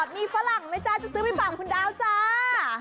มีฝรั่งไหมจ๊ะจะซื้อไปฝั่งคุณดาวจ้า